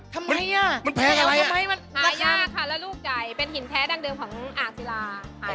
ทำไมอะหายากค่ะแล้วลูกใจเป็นหินแท้ดังเดิมของอ่างศิลา